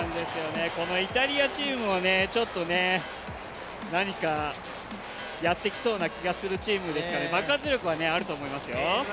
イタリアチームもちょっと何かやってきそうな気がするチームですから爆発力はあると思いますよ。